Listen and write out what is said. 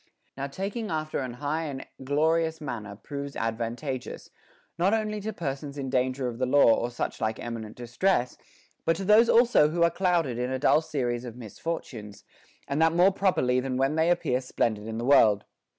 5. Now talking after an high and glorious manner proves advantageous, not only to persons in danger of the law or such like eminent distress, but to those also who are clouded in a dull series of misfortunes ; and that more properly than when they appear splendid in the world.